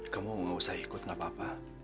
kamu gak usah ikut gak apa apa